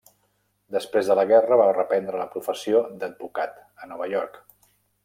Després de la guerra va reprendre la professió d'advocat a Nova York.